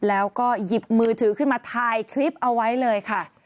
แล้วก็หยิบมือถือขึ้นมาถ่ายคลิปเอาไว้เลยค่ะ